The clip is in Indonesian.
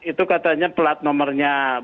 itu katanya pelat nomernya